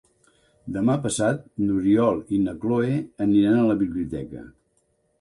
Demà passat n'Oriol i na Cloè aniran a la biblioteca.